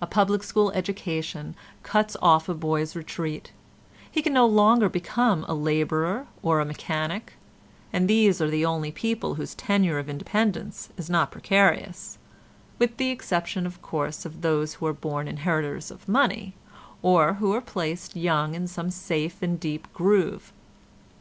A public school education cuts off a boy's retreat; he can no longer become a labourer or a mechanic, and these are the only people whose tenure of independence is not precarious—with the exception of course of those who are born inheritors of money or who are placed young in some safe and deep groove.